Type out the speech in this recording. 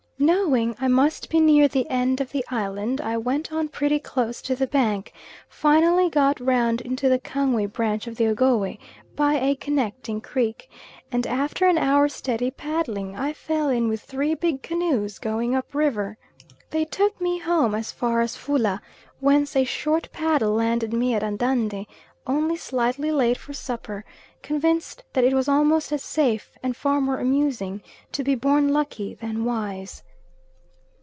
Knowing I must be near the end of the island, I went on pretty close to the bank, finally got round into the Kangwe branch of the Ogowe by a connecting creek, and after an hour's steady paddling I fell in with three big canoes going up river; they took me home as far as Fula, whence a short paddle landed me at Andande only slightly late for supper, convinced that it was almost as safe and far more amusing to be born lucky than wise.